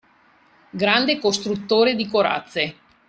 Grande costruttore di corazze